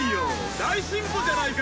大進歩じゃないか！